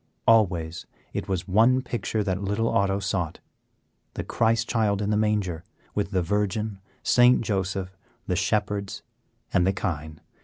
Always it was one picture that little Otto sought; the Christ Child in the manger, with the Virgin, St. Joseph, the Shepherds, and the Kine.